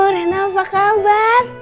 nenek apa kabar